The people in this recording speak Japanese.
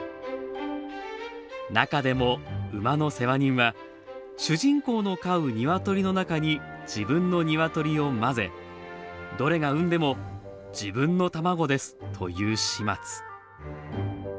中でも馬の世話人は、主人公の飼う鶏の中に、自分の鶏を混ぜ、どれが産んでも、自分の卵ですと言う始末。